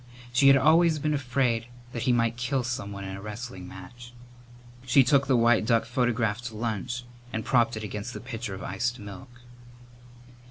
She had always been afraid that he might kill someone in a wrestling match. She took the white duck photograph to lunch and propped it against the pitcher of iced milk.